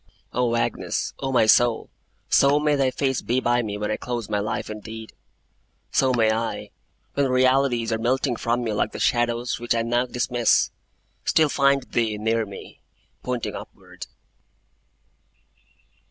O Agnes, O my soul, so may thy face be by me when I close my life indeed; so may I, when realities are melting from me, like the shadows which I now dismiss, still find thee near me, pointing upward!